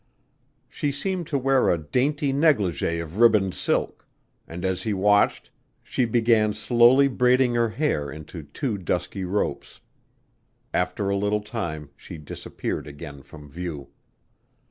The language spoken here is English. She seemed to wear a dainty negligée of ribboned silk, and as he watched she began slowly braiding her hair into two dusky ropes. After a little time she disappeared again from view.